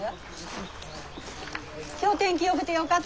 今日天気よくてよかったですね。